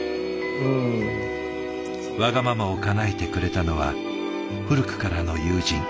わがままをかなえてくれたのは古くからの友人。